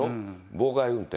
妨害運転。